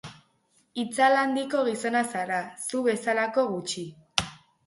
Itzal handiko gizona zara, zu bezalako gutxi.